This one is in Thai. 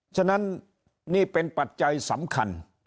ฉะนั้นนี่เป็นปัจจัยสำคัญ